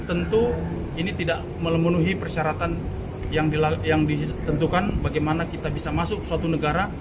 tentu ini tidak memenuhi persyaratan yang ditentukan bagaimana kita bisa masuk suatu negara